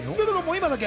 今だけ。